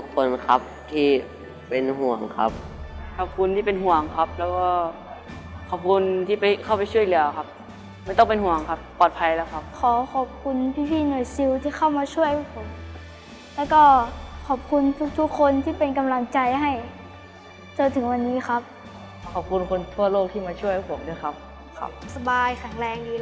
ขอบคุณครับที่เป็นห่วงครับขอบคุณที่เป็นห่วงครับแล้วก็ขอบคุณที่ไปเข้าไปช่วยเหลือครับไม่ต้องเป็นห่วงครับปลอดภัยแล้วครับขอขอบคุณพี่พี่หน่วยซิลที่เข้ามาช่วยผมแล้วก็ขอบคุณทุกทุกคนที่เป็นกำลังใจให้จนถึงวันนี้ครับขอบคุณคนทั่วโลกที่มาช่วยผมด้วยครับครับสบายแข็งแรงดี